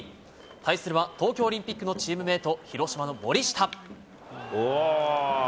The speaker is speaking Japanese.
対するは東京オリンピックのチームメート、広島の森下。